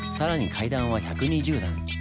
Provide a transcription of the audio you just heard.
階段は１２０段。